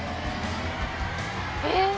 えっ！